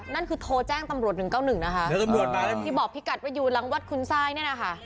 นั่นคือโทรแจ้งตำรวจ๑๙๑นะคะที่บอกพี่กัดว่าอยู่หลังวัดคุณทรายเนี่ยนะคะ